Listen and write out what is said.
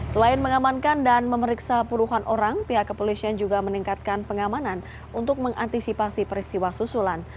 selain mengamankan dan memeriksa puluhan orang pihak kepolisian juga meningkatkan pengamanan untuk mengantisipasi peristiwa susulan